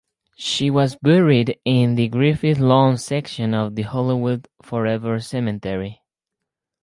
She was buried in the Griffith Lawn section of the Hollywood Forever Cemetery.